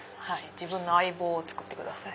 自分の相棒を作ってください。